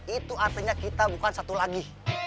itu artinya kita bukan satu lagi